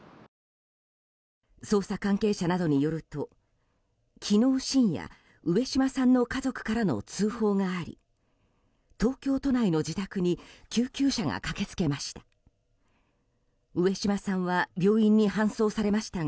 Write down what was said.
捜査関係者などによると昨日深夜上島さんの家族からの通報があり東京都内の自宅に救急車が駆け付けました。